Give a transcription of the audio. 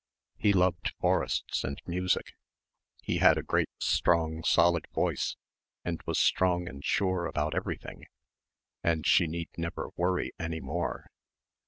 He loved forests and music. He had a great strong solid voice and was strong and sure about everything and she need never worry any more.